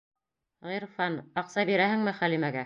Ғирфан, аҡса бирәһеңме Хәлимәгә?